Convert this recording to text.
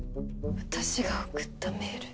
私が送ったメール。